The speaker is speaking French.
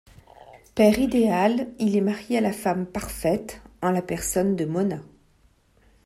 Père idéal, il est marié à la femme parfaite en la personne de Mona.